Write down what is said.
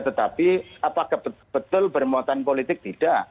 tetapi apakah betul bermuatan politik tidak